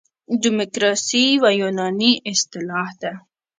دموکراسي یوه یوناني اصطلاح ده.